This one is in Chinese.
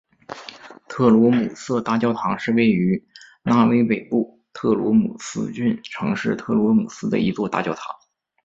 特罗姆瑟大教堂是位于挪威北部特罗姆斯郡城市特罗姆瑟的一座大教堂。